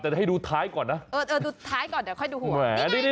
แต่ให้ดูท้ายก่อนดูท้ายก่อนแต่หนูหัวกระดาษ